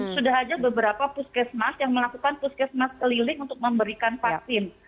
sudah ada beberapa puskesmas yang melakukan puskesmas keliling untuk memberikan vaksin